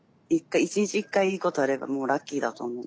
一日一回いいことあればもうラッキーだと思う。